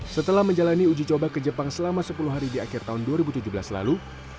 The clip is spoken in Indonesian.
setelah menjalani uji coba ke jepang selama sepuluh hari di akhir tahun dua ribu tujuh belas lalu